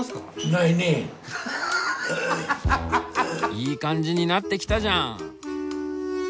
いい感じになってきたじゃん。